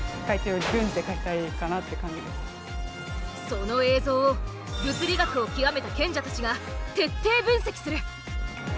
その映像を物理学を究めた賢者たちが徹底分析する。